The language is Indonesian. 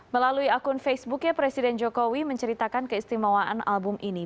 melalui akun facebooknya presiden jokowi menceritakan keistimewaan album ini